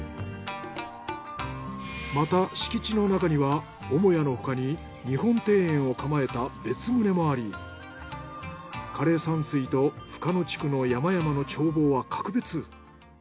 また敷地の中には母屋の他に日本庭園を構えた別棟もあり枯山水と深野地区の山々の眺望は格別。